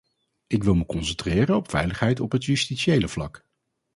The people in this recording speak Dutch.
Ik wil me concentreren op veiligheid op het justitiële vlak.